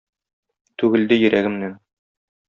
Түгелде йөрәгемнән.